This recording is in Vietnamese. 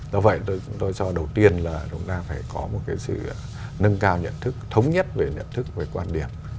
do vậy tôi cho đầu tiên là chúng ta phải có một cái sự nâng cao nhận thức thống nhất về nhận thức về quan điểm